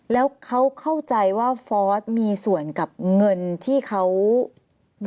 แล้วเขาเข้าใจว่าฟอร์สมีส่วนกับเงินที่เขา